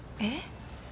えっ？